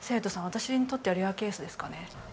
私にとってはレアケースですかね。